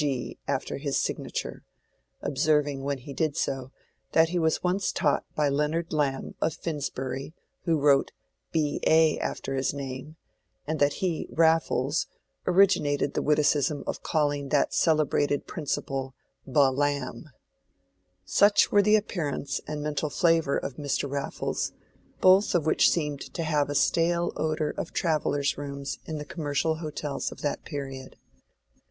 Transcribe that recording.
G. after his signature, observing when he did so, that he was once taught by Leonard Lamb of Finsbury who wrote B.A. after his name, and that he, Raffles, originated the witticism of calling that celebrated principal Ba Lamb. Such were the appearance and mental flavor of Mr. Raffles, both of which seemed to have a stale odor of travellers' rooms in the commercial hotels of that period.